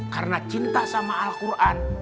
karena cinta sama al quran